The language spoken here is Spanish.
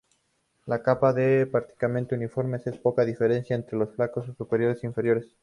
La capa es prácticamente uniforme con poca diferencia entre los flancos superiores e inferiores.